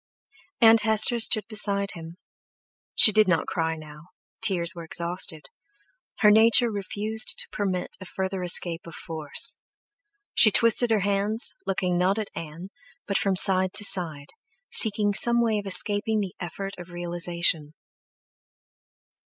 Aunt Hester stood beside him. She did not cry now, tears were exhausted—her nature refused to permit a further escape of force; she twisted her hands, looking not at Ann, but from side to side, seeking some way of escaping the effort of realization.